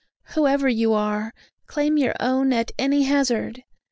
Whoever you are! claim your own at any hazard!